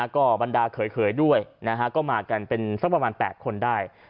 ก็บรรดาเขยด้วยก็มากันเป็นสักประมาณ๘คนได้